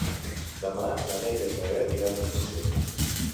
Demà na Neida i na Bet iran d'excursió.